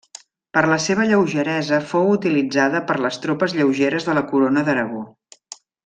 Per la seva lleugeresa fou utilitzada per les tropes lleugeres de la Corona d'Aragó.